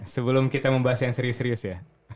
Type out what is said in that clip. sebelum kita membahas yang serius serius ya